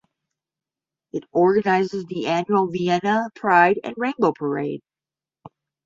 It organises the annual Vienna Pride and Rainbow Parade.